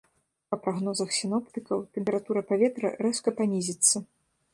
Па прагнозах сіноптыкаў, тэмпература паветра рэзка панізіцца.